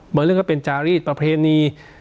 เรื่องก็เป็นจารีสประเพณี